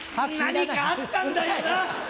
何かあったんだよな！